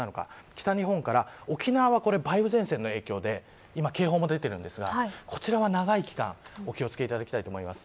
北日本から沖縄は梅雨前線の影響で今、警報も出ていますがこちらは長い期間お気を付けいただきたいと思います。